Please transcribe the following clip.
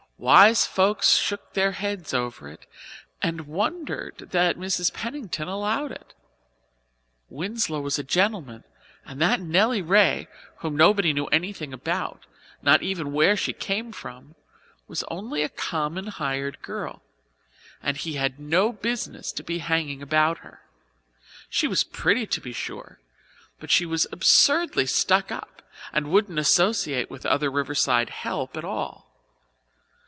Wise folks shook their heads over it and wondered that Mrs. Pennington allowed it. Winslow was a gentleman, and that Nelly Ray, whom nobody knew anything about, not even where she came from, was only a common hired girl, and he had no business to be hanging about her. She was pretty, to be sure; but she was absurdly stuck up and wouldn't associate with other Riverside "help" at all.